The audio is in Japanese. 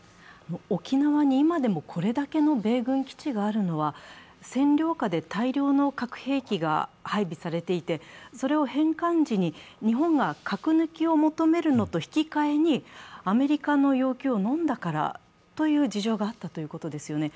沖縄に今でもこれだけの米軍基地があるのは、占領下で大量の核兵器が配備されていてそれを返還時に日本が核抜きを求めるのと引き換えに、アメリカの要求をのんだからという事情があったということですよね。